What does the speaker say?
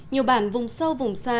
nhiều bản vùng sâu vùng xa